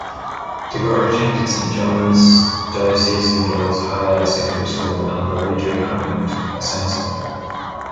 Tagore attended Saint John's Diocesan Girls' Higher Secondary School and Loreto Convent, Asansol.